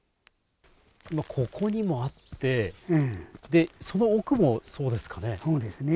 ここにもあって、その奥もそうですかね。